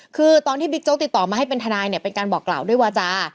คือตอนที่บิ๊กโจ๊กติดต่อมาให้เป็นทนายเนี่ยเป็นการบอกกล่าวด้วยวาจา